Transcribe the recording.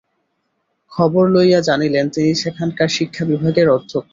খবর লইয়া জানিলেন, তিনি সেখানকার শিক্ষাবিভাগের অধ্যক্ষ।